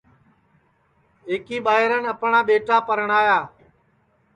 ایک ٻائران اپڻْا ٻیٹا پرڻْايا